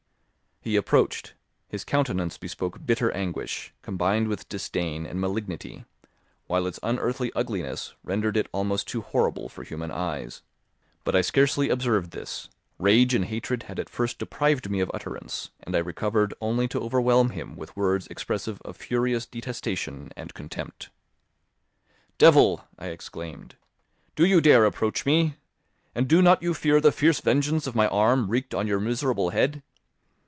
He approached; his countenance bespoke bitter anguish, combined with disdain and malignity, while its unearthly ugliness rendered it almost too horrible for human eyes. But I scarcely observed this; rage and hatred had at first deprived me of utterance, and I recovered only to overwhelm him with words expressive of furious detestation and contempt. "Devil," I exclaimed, "do you dare approach me? And do not you fear the fierce vengeance of my arm wreaked on your miserable head?